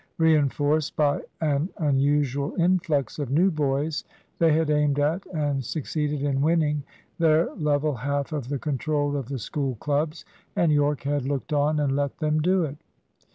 Reinforced by an unusual influx of new boys, they had aimed at, and succeeded in winning, their level half of the control of the School clubs; and Yorke had looked on and let them do it!